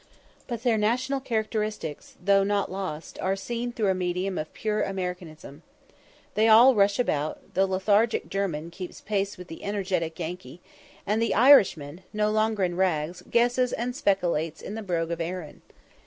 But their national characteristics, though not lost, are seen through a medium of pure Americanism. They all rush about the lethargic German keeps pace with the energetic Yankee; and the Irishman, no longer in rags, "guesses" and "spekilates" in the brogue of Erin.